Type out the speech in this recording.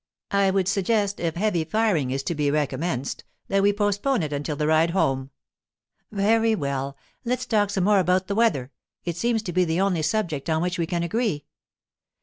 I would suggest, if heavy firing is to be recommenced, that we postpone it until the ride home.' 'Very well. Let's talk some more about the weather. It seems to be the only subject on which we can agree.